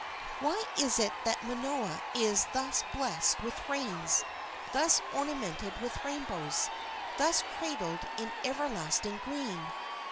Why is it that Manoa is thus blessed with rains, thus ornamented with rainbows, thus cradled in everlasting green?